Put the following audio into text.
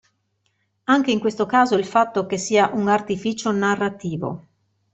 Anche in questo caso il fatto che sia un artificio narrativo.